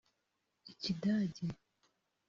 Ikidage